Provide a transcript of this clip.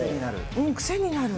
癖になる？